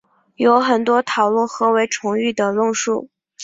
有很多讨论何为纯育的论述。